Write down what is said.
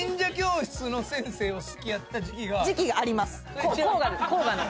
時期があります。